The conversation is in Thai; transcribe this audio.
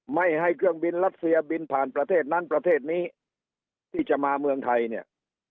ไม่ให้เครื่องบินรัสเซียบินผ่านประเทศนั้นประเทศนี้ที่จะมาเมืองไทยเนี่ย